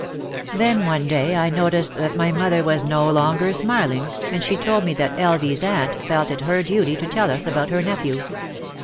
Then one day I noticed that my mother was no longer smiling and she told me that L. V.'s aunt felt it her duty to tell us about her nephew.